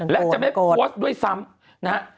และจะไม่โพสต์ด้วยซ้ำนะฮะ